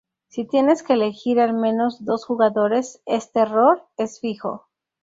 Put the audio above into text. Si tienes que elegir al menos dos jugadores, este "error" es fijo.